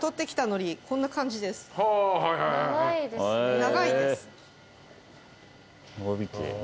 長いですね。